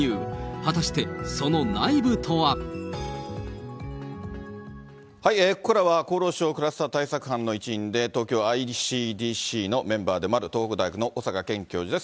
果たして、その内部とは。ここからは厚労省クラスター対策班の一員で、東京ｉＣＤＣのメンバーでもある、東北大学の小坂健教授です。